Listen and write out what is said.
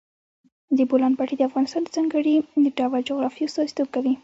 د بولان پټي د افغانستان د ځانګړي ډول جغرافیه استازیتوب کوي.